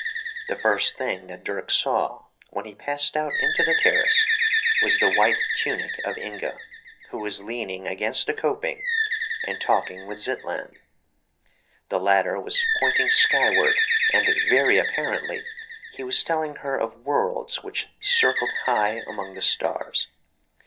The first thing that Dirk saw, when he passed out onto the terrace, was the white tunic of Inga, who was leaning against a coping and talking with Zitlan. The latter was pointing skyward and, very apparently, he was telling her of worlds which circled high among the stars.